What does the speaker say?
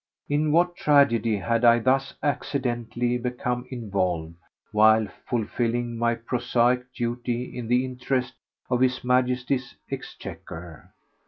In what tragedy had I thus accidentally become involved while fulfilling my prosaic duty in the interest of His Majesty's exchequer?